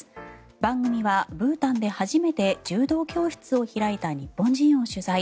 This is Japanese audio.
番組はブータンで初めて柔道教室を開いた日本人を取材。